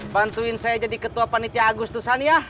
bantuin saya jadi ketua panitia agus tusan ya